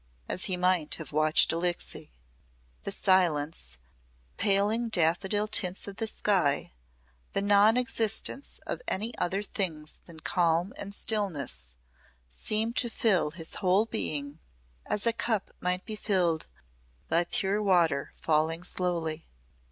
As he might have watched Alixe. The silence, the paling daffodil tints of the sky, the non existence of any other things than calm and stillness seemed to fill his whole being as a cup might be filled by pure water falling slowly.